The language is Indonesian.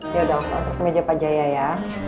yaudah aku ngetek meja pak jaya ya